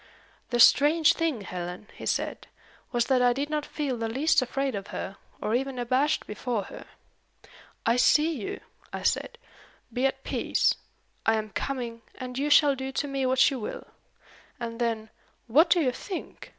"The strange thing, Helen," he said, "was that I did not feel the least afraid of her, or even abashed before her. 'I see you,' I said. 'Be at peace. I am coming; and you shall do to me what you will.' And then what do you think?